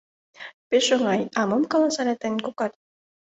— Пешак оҥай, а мом каласа ыле тыйын кокат?